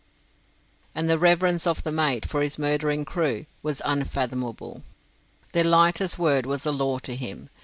And the reverence of the mate for his murdering crew was unfathomable. Their lightest word was a law to him.